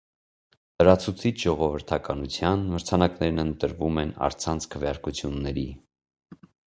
Լրացուցիչ ժողովրդականության մրցանակներն ընտրվում են առցանց քվեարկությունների։